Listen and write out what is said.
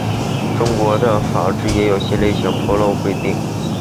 中国的专利法中也有类似的关于披露责任的规定。